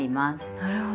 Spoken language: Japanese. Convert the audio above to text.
なるほど。